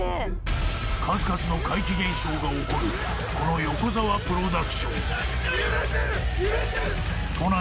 数々の怪奇現象が起こるこのヨコザワ・プロダクション都内